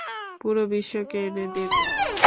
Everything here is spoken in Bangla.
পুরো বিশ্বকে এনে দেবে।